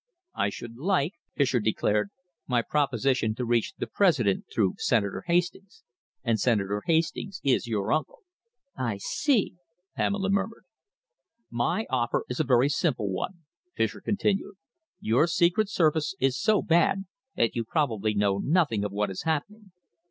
"I should like," Fischer declared, "my proposition to reach the President through Senator Hastings, and Senator Hastings is your uncle." "I see," Pamela murmured. "My offer itself is a very simple one," Fischer continued. "Your secret service is so bad that you probably know nothing of what is happening.